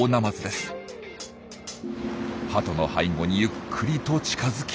ハトの背後にゆっくりと近づき。